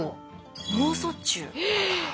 脳卒中。え。